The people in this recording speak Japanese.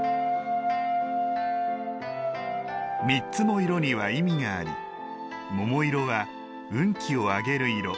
３つの色には意味があり桃色は運気を上げる色。